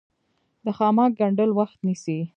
د خامک ګنډل وخت نیسي